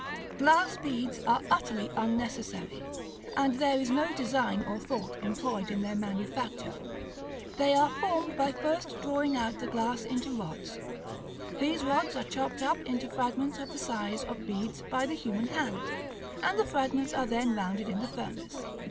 Glass beads are utterly unnecessary, and there is no design or thought employed in their manufacture. They are formed by first drawing out the glass into rods; these rods are chopped up into fragments of the size of beads by the human hand, and the fragments are then rounded in the furnace.